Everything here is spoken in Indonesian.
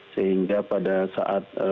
sehingga pada saat